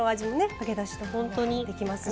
揚げだし豆腐もできますしね。